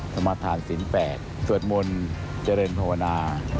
สมาธารสินแปดสวดมนต์เจริญโภวนา